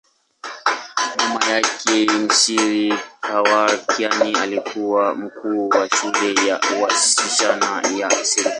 Mama yake, mshairi Khawar Kiani, alikuwa mkuu wa shule ya wasichana ya serikali.